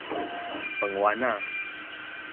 飯丸仔